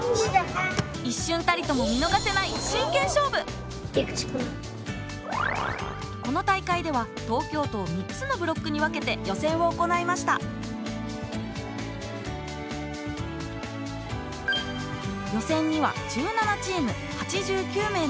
いっしゅんたりとも見のがせないこの大会では東京都を３つのブロックに分けて予選を行いました予選には１７チーム８９名の選手が参加。